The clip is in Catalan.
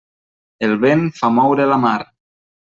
El vent fa moure la mar.